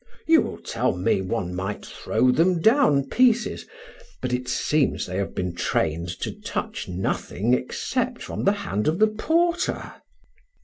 You will tell me one might throw them down pieces, but it seems they have been trained to touch nothing except from the hand of the porter."